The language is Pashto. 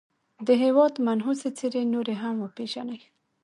د هېواد منحوسي څېرې نورې هم وپېژني.